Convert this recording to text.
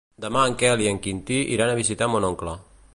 Demà en Quel i en Quintí iran a visitar mon oncle.